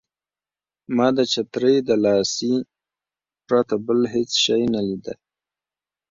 ما د چترۍ د لاسۍ پرته بل هېڅ شی نه لیدل.